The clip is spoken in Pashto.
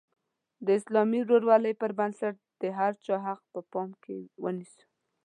د اسلامي ورورولۍ پر بنسټ د هر چا حق په پام کې ونیسو.